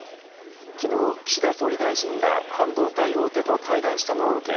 昨日、岸田総理大臣が半導体大手と会談したのを受け